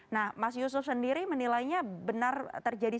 nah mas yusuf sendiri menilainya benar terjadi